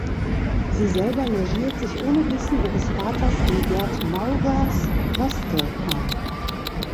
Sie selber logiert sich ohne Wissen ihres Vaters in Gerd Maurers Hostel ein.